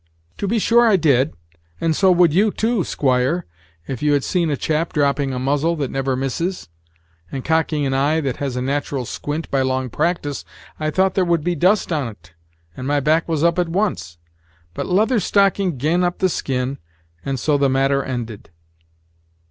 "To be sure I did; and so would you, too, squire, if you had seen a chap dropping a muzzle that never misses, and cocking an eye that has a natural squint by long practice I thought there would be a dust on't, and my back was up at once; but Leather Stocking gi'n up the skin, and so the matter ended."